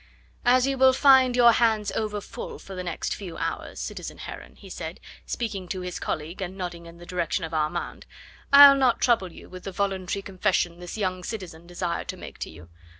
"As you will find your hands overfull for the next few hours, citizen Heron," he said, speaking to his colleague and nodding in the direction of Armand, "I'll not trouble you with the voluntary confession this young citizen desired to make to you.